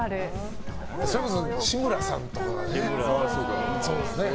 それこそ志村さんとかね。